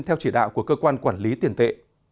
theo chỉ đạo của cơ quan quản lý tiền tệ